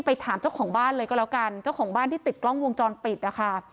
ถามเจ้าของบ้านเลยก็แล้วกันเจ้าของบ้านที่ติดกล้องวงจรปิดนะคะ